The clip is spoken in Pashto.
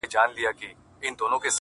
د زيارتـونو يې خورده ماتـه كـړه~